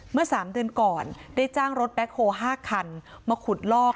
เมื่อ๓เดือนก่อนได้จ้างรถแบ็คโฮ๕คันมาขุดลอก